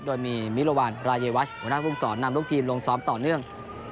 โดยมีมิรวรรณรายวัชหัวหน้าภูมิสอนนำลูกทีมลงซ้อมต่อเนื่อง